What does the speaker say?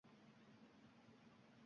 No'xat yedirdim. Yig'ladi-da...